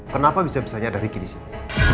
kenapa bisa bisanya ada ricky disini